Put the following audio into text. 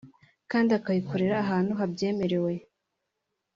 kandi akayikorera ahantu habyemerewe